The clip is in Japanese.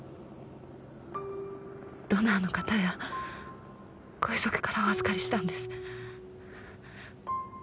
ドナーの方やご遺族からお預かりしたんです